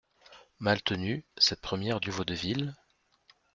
Maltenu Cette première du Vaudeville ?